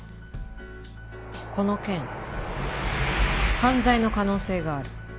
この件犯罪の可能性がある。